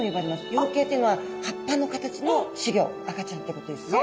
葉形っていうのは葉っぱの形の仔魚赤ちゃんってことですね。